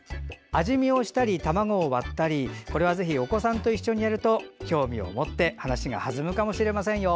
味見をしたり、卵を割ったりこれはぜひお子さんと一緒にやると興味を持って話が弾むかもしれませんよ。